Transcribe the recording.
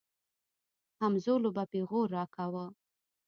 همزولو به پيغور راکاوه.